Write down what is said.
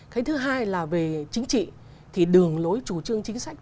cái thứ hai là về chính trị thì đường lối chủ trương chính sách